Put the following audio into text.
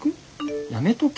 「やめとけ」